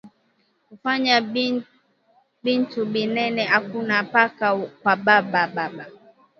Kufanya bintu binene akuna paka kwa ba baba